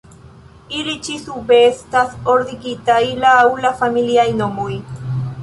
Ili ĉi-sube estas ordigitaj laŭ la familiaj nomoj.